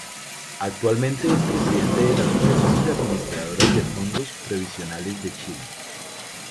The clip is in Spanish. Actualmente, es presidente de la asociación de Administradoras de Fondos Previsionales de Chile.